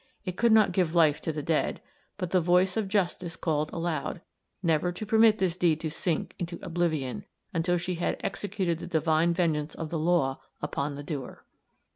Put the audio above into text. It could not give life to the dead but the voice of Justice called aloud, never to permit this deed to sink into oblivion, until she had executed the divine vengeance of the law upon the doer.